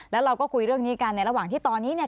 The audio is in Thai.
แล้วเราก็คุยเรื่องนี้กันในระหว่างที่ตอนนี้เนี่ย